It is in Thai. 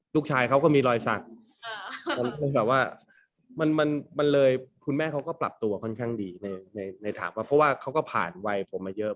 ลูกชายเขาก็มีรอยสักแบบว่ามันเลยคุณแม่เขาก็ปรับตัวค่อนข้างดีในถามว่าเพราะว่าเขาก็ผ่านวัยผมมาเยอะ